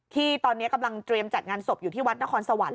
ที่ตอนนี้กำลังเตรียมจัดงานศพอยู่ที่วัดนครสวรรค